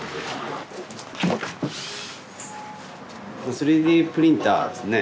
３Ｄプリンターですね。